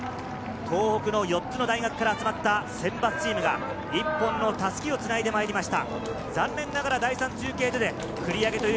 東北の４つの大学から集まった選抜チームが一本の襷をつないできました。